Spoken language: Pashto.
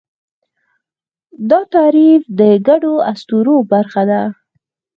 دا تعریف د ګډو اسطورو برخه ده.